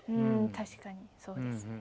確かにそうですね。